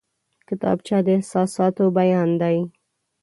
کتابچه د احساساتو بیان دی